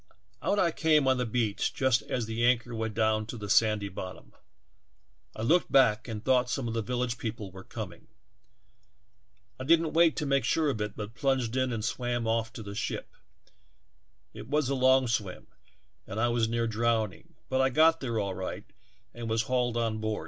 Out I came beach just as the anchor went down to the sandy bottom ; I looked back and thought some of the village people were coming. I didn't sure of it but plunged in and the ship. It was a long swim, was near drowning, but I got all right and was hauled on board.